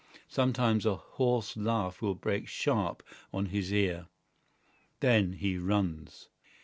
Sometimes a hoarse laugh will break sharp on his ear. Then he runs.